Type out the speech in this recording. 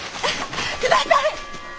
ください！